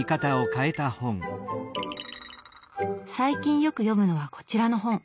最近よく読むのはこちらの本。